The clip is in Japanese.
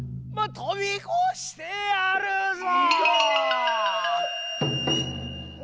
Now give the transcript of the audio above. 飛び越してやるぞ！